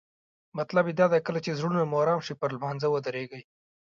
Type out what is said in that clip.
مطلب یې دا دی کله چې زړونه مو آرام شي پر لمانځه ودریږئ.